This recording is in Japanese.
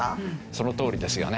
そのとおりですよね。